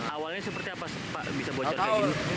awalnya seperti apa pak bisa bocor kayak gini